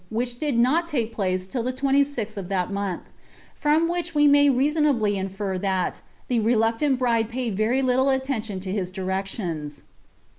which did not lake place itll the 26ih of that month;' from ■ Inch we may Trasonably infer that ihe reluctant bride paid very liille ^diiun lo his dirtctiona.